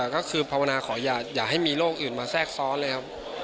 ก็คือภาวนาขออย่าให้มีโรคอื่นมาแทรกซ้อนเลยครับ